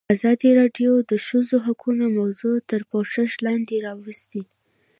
ازادي راډیو د د ښځو حقونه موضوع تر پوښښ لاندې راوستې.